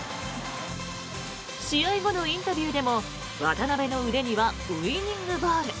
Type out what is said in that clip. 試合後のインタビューでも渡邊の腕にはウィニングボール。